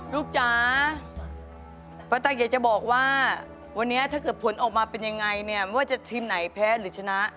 จ๋าป้าตั๊กอยากจะบอกว่าวันนี้ถ้าเกิดผลออกมาเป็นยังไงเนี่ยไม่ว่าจะทีมไหนแพ้หรือชนะ